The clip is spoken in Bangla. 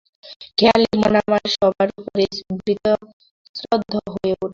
খেয়ালি মন আমার সবার ওপরেই বীতশ্রদ্ধ হয়ে উঠল।